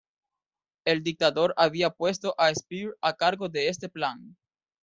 El dictador había puesto a Speer a cargo de este plan.